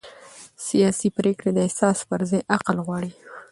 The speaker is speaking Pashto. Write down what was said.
سیاسي پرېکړې د احساس پر ځای عقل غواړي